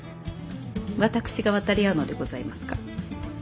私が渡り合うのでございますか。